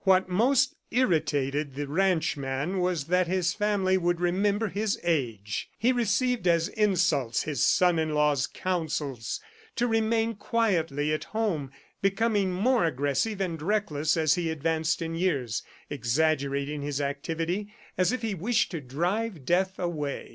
What most irritated the ranchman was that his family would remember his age. He received as insults his son in law's counsels to remain quietly at home, becoming more aggressive and reckless as he advanced in years, exaggerating his activity, as if he wished to drive Death away.